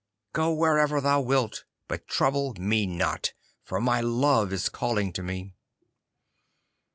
Go wherever thou wilt, but trouble me not, for my love is calling to me.